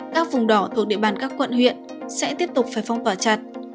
các vùng đỏ thuộc địa bàn các quận huyện sẽ tiếp tục phải phong tỏa chặt